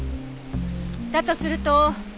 だとすると。